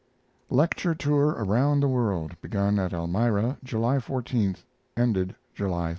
Lecture tour around the world, begun at Elmira, July 14, ended July 31.